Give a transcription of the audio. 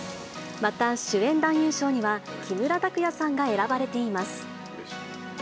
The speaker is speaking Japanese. また主演男優賞には、木村拓哉さんが選ばれています。